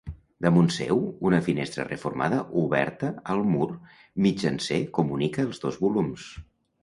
Damunt seu, una finestra reformada oberta al mur mitjancer comunica els dos volums.